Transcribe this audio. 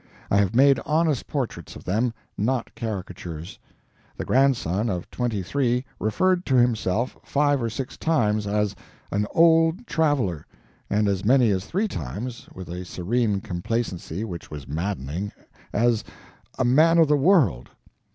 I have made honest portraits of them, not caricatures. The Grandson of twenty three referred to himself five or six times as an "old traveler," and as many as three times (with a serene complacency which was maddening) as a "man of the world."